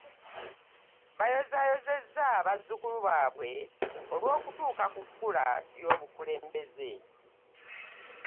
Boozaayozezza bazzukkulu baabwe olwokutuuka ku kkula ly'obululembeze